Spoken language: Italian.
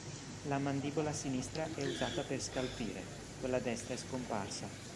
La mandibola sinistra è usata per scalfire, quella destra è scomparsa.